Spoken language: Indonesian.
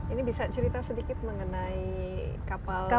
ini bisa cerita sedikit mengenai kapal